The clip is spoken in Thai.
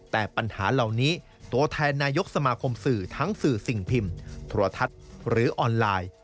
แต่ปัญหาเหล่านี้ตัวแทนนายกสมาคมสื่อทั้งสื่อสิ่งพิมพ์โทรทัศน์หรือออนไลน์